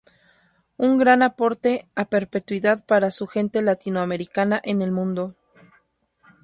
Un gran aporte a perpetuidad para su gente latinoamericana en el mundo.